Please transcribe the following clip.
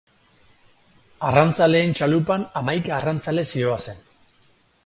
Arrantzaleen txalupan hamaika arrantzale zihoazen.